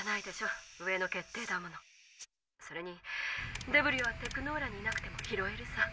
それにデブリはテクノーラにいなくても拾えるさ」。